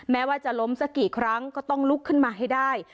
แม้ว่าจะล้มสักกี่ครั้งก็ต้องลุกขึ้นมาให้ได้